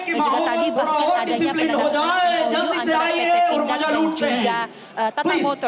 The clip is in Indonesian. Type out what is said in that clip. dan juga tadi bahkan adanya pendapatan di eu antara pp pindang dan juga tpp